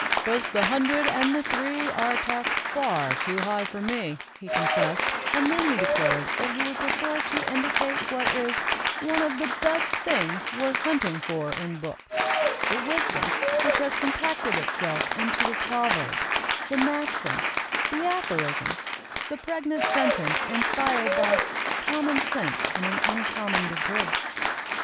"Both the hundred and the three are a task far too high for me," he confessed, and then he declared that he would prefer to indicate what is "one of the things best worth hunting for in books," the wisdom which has com pacted itself into the proverb, the maxim, the aphorism, the pregnant sentence inspired by 4 ' common sense in an uncommon degree.